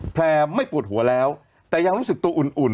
แพร่ไม่ปวดหัวแล้วแต่ยังรู้สึกตัวอุ่น